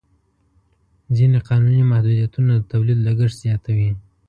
ځینې قانوني محدودیتونه د تولید لګښت زیاتوي.